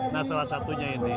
nah salah satunya ini